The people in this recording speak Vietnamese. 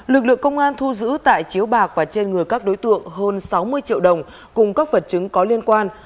lực lượng công an thu giữ tại chiếu bạc và trên người các đối tượng hơn sáu mươi triệu đồng cùng các vật chứng có liên quan